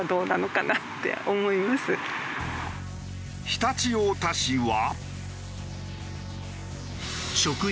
常陸太田市は。